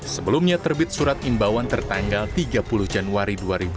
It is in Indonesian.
sebelumnya terbit surat imbauan tertanggal tiga puluh januari dua ribu dua puluh